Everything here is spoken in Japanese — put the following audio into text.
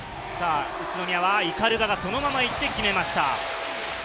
宇都宮は鵤がそのまま行って決めました。